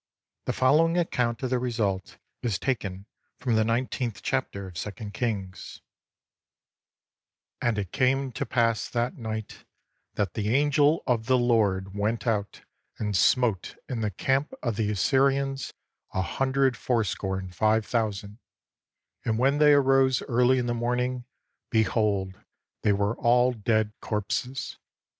The following account of the result is taken from the nineteenth chapter of Second Kings: "And it came to pass that night, that the angel of the Lord went out, and smote in the camp of the Assyrians a hundred fourscore and five thousand: and when they arose early in the morning, behold, they were all dead corpses.